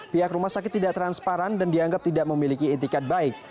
pihak rumah sakit tidak transparan dan dianggap tidak memiliki etikat baik